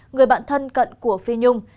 người bạn thân cận của phi nhung